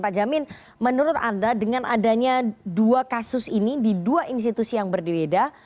pak jamin menurut anda dengan adanya dua kasus ini di dua institusi yang berbeda